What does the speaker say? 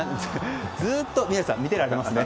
ずっと宮司さん見ていられますね。